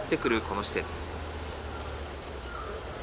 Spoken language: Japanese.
この施設。